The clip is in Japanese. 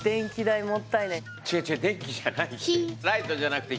違う違う電気じゃない。